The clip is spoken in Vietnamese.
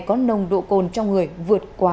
có nồng độ cồn trong người vượt quá